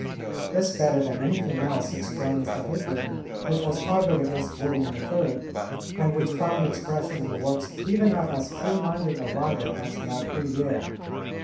This better than anything else explains the hatred which was harbored against William III., and which found expression in the works even of as free minded a writer as La Bruyère.